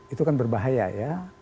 itu kan berbahaya ya